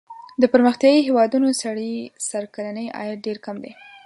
د پرمختیايي هېوادونو سړي سر کلنی عاید ډېر کم دی.